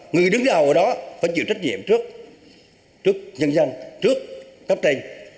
người đứng đầu ở đó phải chịu trách nhiệm trước nhân dân trước cấp trên